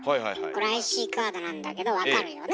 これＩＣカードなんだけど分かるよね？